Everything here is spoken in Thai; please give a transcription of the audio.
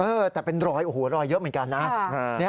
เออแต่เป็นรอยโอ้โหรอยเยอะเหมือนกันนะ